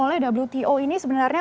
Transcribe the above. dan ini dinyatakan oleh wto ini sebenarnya